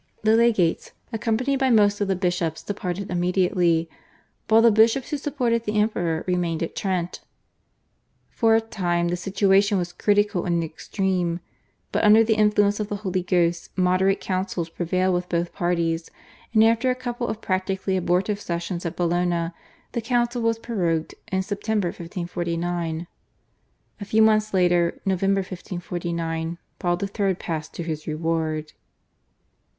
The legates accompanied by most of the bishops departed immediately, while the bishops who supported the Emperor remained at Trent. For a time the situation was critical in the extreme, but under the influence of the Holy Ghost moderate counsels prevailed with both parties, and after a couple of practically abortive sessions at Bologna the council was prorogued in September 1549. A few months later, November 1549, Paul III. passed to his reward.